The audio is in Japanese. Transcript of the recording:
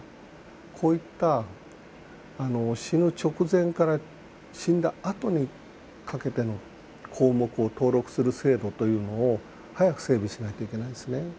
こういった死ぬ直前から死んだあとにかけての項目を登録する制度というのを、早く整備しないといけないですね。